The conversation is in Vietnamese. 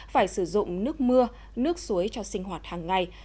phải sử dụng nước mưa nước suối cho sinh hoạt hàng ngày